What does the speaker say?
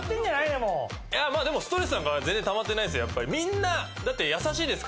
でもストレスなんか全然溜まってないです